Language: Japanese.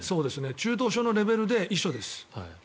中等症のレベルで遺書です